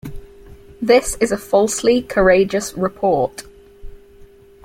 This is a falsely courageous report.